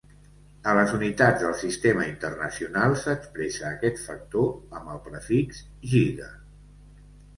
A les unitats del Sistema Internacional s'expressa aquest factor amb el prefix giga-.